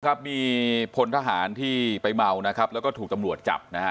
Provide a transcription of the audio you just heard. ครับมีพลทหารที่ไปเมานะครับแล้วก็ถูกตำรวจจับนะฮะ